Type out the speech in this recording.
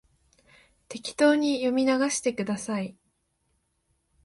適当に読み流してください